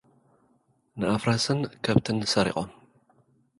ንኣፍራስን ከብትን ሰሪቖም።